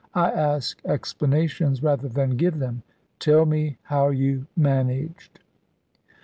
"I ask explanations rather than give them. Tell me how you managed."